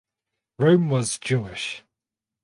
Rome was Jewish.